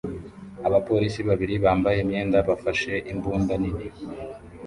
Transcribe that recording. Abapolisi babiri bambaye imyenda bafashe imbunda nini